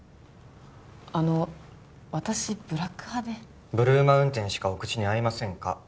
あの私ブラック派でブルーマウンテンしかお口に合いませんか？